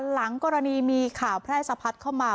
หลังกรณีมีข่าวแพร่สะพัดเข้ามา